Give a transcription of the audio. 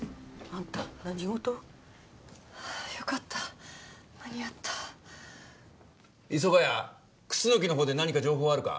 ああよかった間に合った磯ヶ谷楠のほうで何か情報はあるか？